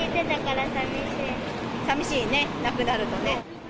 さみしいね、なくなるとね。